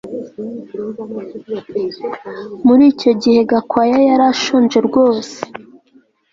Muri icyo gihe Gakwaya yari ashonje rwose